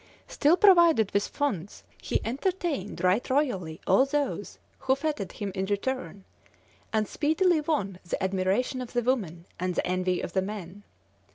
Still provided with funds, he entertained right royally all those who fêted him in return, and speedily won the admiration of the women and the envy of the men.